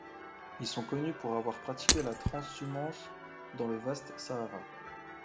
Ils sont connus pour avoir pratiqué la transhumance dans le vaste Sahara.